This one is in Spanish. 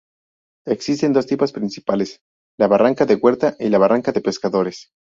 Existen dos tipos principales, la barraca de huerta y la barraca de pescadores.